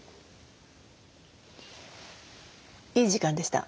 いい時間でした。